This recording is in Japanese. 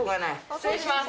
失礼します。